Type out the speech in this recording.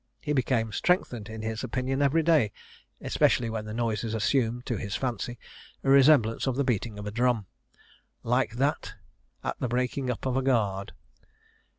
He became strengthened in his opinion every day, especially when the noises assumed, to his fancy, a resemblance to the beating of a drum, "like that at the breaking up of a guard."